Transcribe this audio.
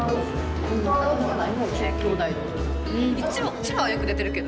うちらはよく出てるけど。